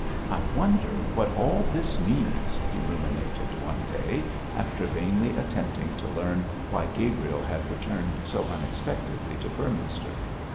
'I wonder what all this means,' he ruminated one day after vainly attempting to learn why Gabriel had returned so unexpectedly to Beorminster.